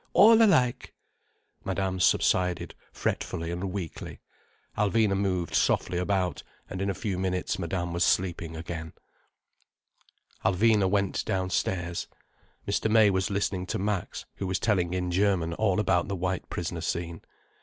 All alike!" Madame subsided fretfully and weakly. Alvina moved softly about. And in a few minutes Madame was sleeping again. Alvina went downstairs. Mr. May was listening to Max, who was telling in German all about the White Prisoner scene. Mr.